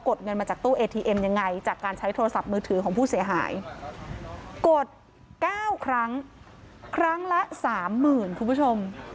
กด๙ครั้งครั้งละ๓๐๐๐๐บาทคุณผู้ชม